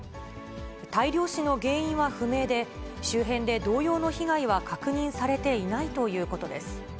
大量死の原因は不明で、周辺で同様の被害は確認されていないということです。